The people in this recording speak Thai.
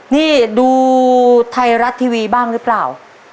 นี่ดูไทยรัฐทีวีบ้างหรือเปล่า